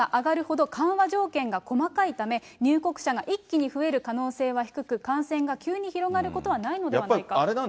使いにくいという声が上がるほど、緩和条件が細かいため、入国者が一気に増える可能性は低く、感染が急に広がることはないのではないか。